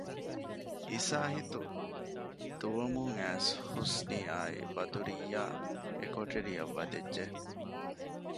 އިސާހިތު ދުވަމުން އައިސް ޙުސްނީއާއި ބަދުރިއްޔާ އެކޮޓަރިއަށް ވަދެއްޖެ